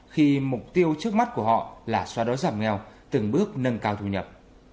khi mục tiêu trước mắt của họ là xóa đói giảm nghèo từng bước nâng cao thu nhập